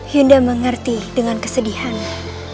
yunda mengerti dengan kesedihannya